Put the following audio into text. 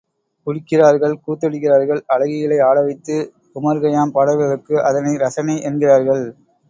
குடிக்கிறார்கள் கூத்தடிக்கிறார்கள் அழகிகளை ஆட வைத்து உமர்கயாம் பாடல்களுக்கு அதனை ரசனை என்கிறார்கள்.